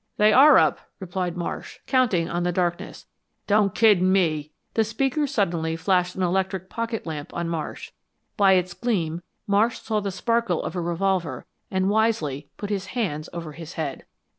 "They are up," replied Marsh, counting on the darkness. "Don't kid me!" The speaker suddenly, flashed an electric pocket lamp on Marsh. By its gleam Marsh saw the sparkle of a revolver and wisely put his hands over his head.